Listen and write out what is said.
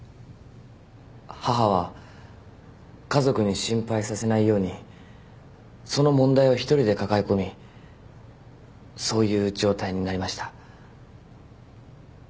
母は家族に心配させないようにその問題を１人で抱え込みそういう状態になりました。